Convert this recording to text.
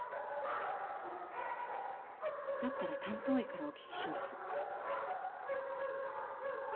だったら担当医からお聞きします。